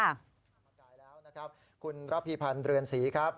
ขอบใจแล้วนะครับคุณรัภีพันธ์เรือนศรีครับ